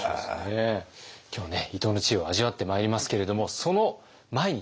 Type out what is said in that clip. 今日はね伊藤の知恵を味わってまいりますけれどもその前にですね